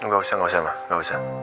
gak usah mama